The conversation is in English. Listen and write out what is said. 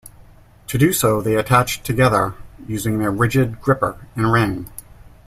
To do so, they attach together using their rigid gripper and ring.